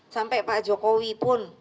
sampai pak jokowi pun